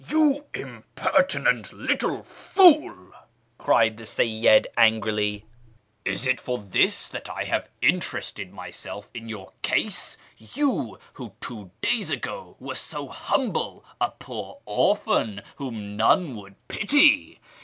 " You impertinent little fool !" cried the Seyyid angrily ; AMONGST THE KALANDARS 511 " is it for this that I have interested myself in your case — you who two days ago were so humble —' a poor orphan whom none would pity